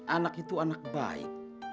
anak itu anak baik